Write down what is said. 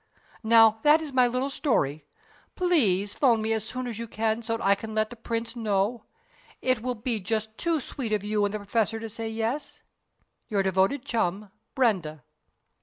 Now, that is my little story. Please 'phone me as soon as you can so that I can let the Prince know. It will be just too sweet of you and the Professor to say 'yes.' Your devoted chum, BRENDA."